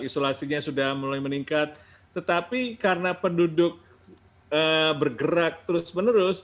isolasinya sudah mulai meningkat tetapi karena penduduk bergerak terus menerus